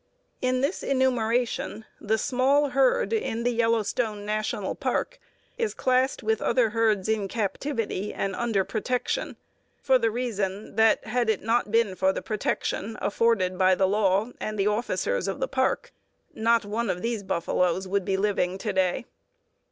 In this enumeration the small herd in the Yellowstone National Park is classed with other herds in captivity and under protection, for the reason that, had it not been for the protection afforded by the law and the officers of the Park, not one of these buffaloes would be living to day.